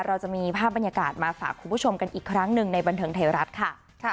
เราจะมีภาพบรรยากาศมาฝากคุณผู้ชมกันอีกครั้งหนึ่งในบันเทิงไทยรัฐค่ะ